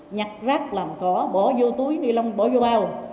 nhặt rác làm cỏ bỏ vô túi ni lông bỏ vô bao